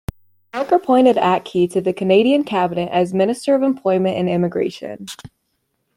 Clark appointed Atkey to the Canadian Cabinet as Minister of Employment and Immigration.